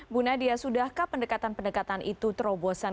bu nadia sudahkah pendekatan pendekatan itu terobosan